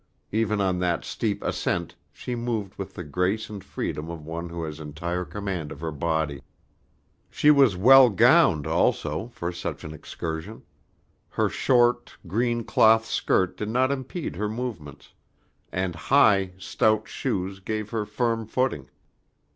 Even on that steep ascent she moved with the grace and freedom of one who has entire command of her body. She was well gowned also for such an excursion. Her short, green cloth skirt did not impede her movements, and high, stout shoes gave her firm footing.